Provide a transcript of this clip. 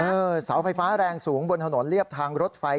เสาไฟฟ้าแรงสูงบนถนนเรียบทางรถไฟ